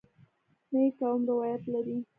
نه یې کوم روایت لرې.